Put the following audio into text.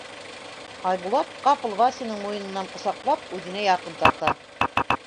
Айбулат ҡапыл Васяның муйынынан ҡосаҡлап үҙенә яҡын тарта.